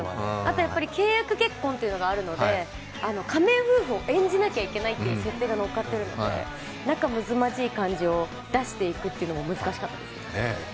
契約結婚というのがあるので、仮面夫婦を演じなきゃいけないという設定がのっかっているので仲むつまじい感じを出していくというのが難しかったです。